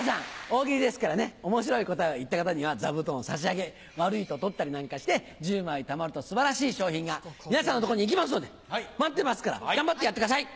大喜利ですからね面白い答えを言った方には座布団を差し上げ悪いと取ったりなんかして１０枚たまると素晴らしい賞品が皆さんのとこに行きますので待ってますから頑張ってやってください。